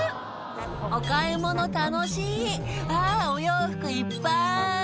「お買い物楽しいあぁお洋服いっぱい」